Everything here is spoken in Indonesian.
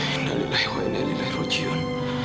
innalillahi wa innalillahi rujiyun